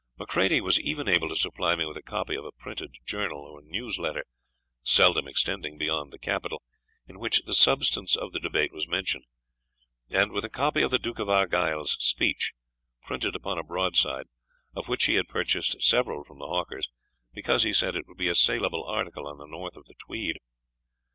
Macready was even able to supply me with a copy of a printed journal, or News Letter, seldom extending beyond the capital, in which the substance of the debate was mentioned; and with a copy of the Duke of Argyle's speech, printed upon a broadside, of which he had purchased several from the hawkers, because, he said, it would be a saleable article on the north of the Tweed.